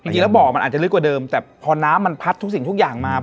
จริงแล้วบ่อมันอาจจะลึกกว่าเดิมแต่พอน้ำมันพัดทุกสิ่งทุกอย่างมา